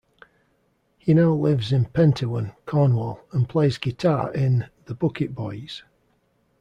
He now lives in Pentewan, Cornwall, and plays guitar in The Bucket Boys.